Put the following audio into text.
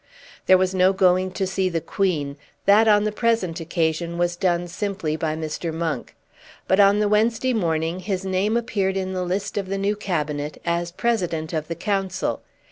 There was no going to see the Queen. That on the present occasion was done simply by Mr. Monk. But on the Wednesday morning his name appeared in the list of the new Cabinet as President of the Council.